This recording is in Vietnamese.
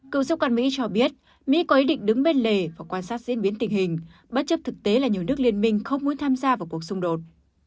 cựu giáo quan mỹ cho biết mỹ có ý định đứng bên lề và quan sát diễn biến tình hình bất chấp thực tế là nhiều nước liên minh không muốn tham gia vào cuộc xung đột